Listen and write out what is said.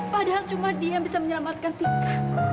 padahal cuma dia yang bisa menyelamatkan tika